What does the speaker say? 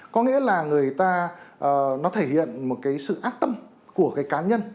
có nghĩa là người ta thể hiện một sự ác tâm của cá nhân